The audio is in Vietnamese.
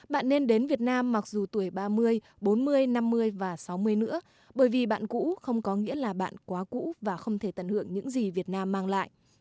bạn nên đến việt nam mặc dù tuổi ba mươi bốn mươi năm mươi và sáu mươi nữa bởi vì bạn cũ không có nghĩa là bạn quá cũ và không thể tận hưởng những gì việt nam mang lại